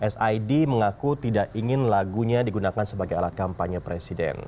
sid mengaku tidak ingin lagunya digunakan sebagai alat kampanye presiden